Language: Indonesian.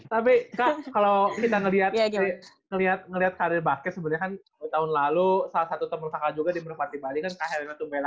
tapi kak kalau kita ngelihat karir basket sebenarnya kan tahun lalu salah satu teman usaha juga di merpati bali kan kak helena tumbella